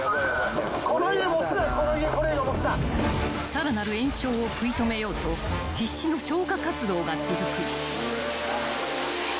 ［さらなる延焼を食い止めようと必死の消火活動が続く］